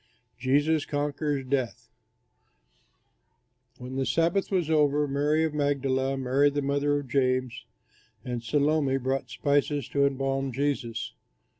JESUS CONQUERS DEATH When the Sabbath was over, Mary of Magdala, Mary the mother of James, and Salome bought spices to embalm Jesus.